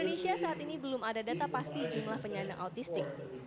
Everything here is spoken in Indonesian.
indonesia saat ini belum ada data pasti jumlah penyandang autistik